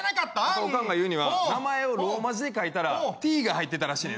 オカンが言うには名前をローマ字で書いたら「Ｔ」が入ってたらしいね